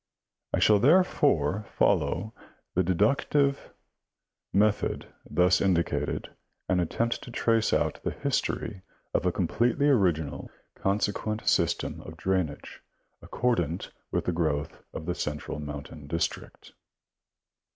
I shall therefore follow the deductive The Rivers and Valleys of Pen^isylvania. 221 method thus indicated and attempt to trace out the history of a completely original, consequent system of drainage accordant with the growth of the central mountain district.